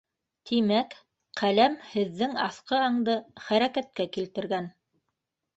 Тимәк, ҡәләм... һеҙҙең аҫҡы аңды хәрәкәткә килтергән...